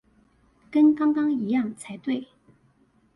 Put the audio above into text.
跟剛剛一樣才對